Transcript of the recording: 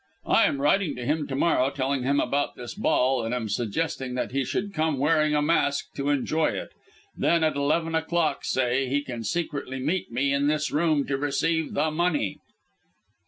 I am writing to him to morrow, telling him about this ball, and am suggesting that he should come wearing a mask to enjoy it. Then, at eleven o'clock, say, he can secretly meet me in this room to receive the money."